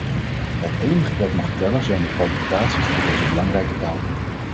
Het enige dat mag tellen zijn de kwalificaties voor deze belangrijke taak.